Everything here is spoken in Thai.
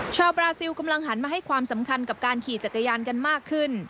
บราซิลกำลังหันมาให้ความสำคัญกับการขี่จักรยานกันมากขึ้น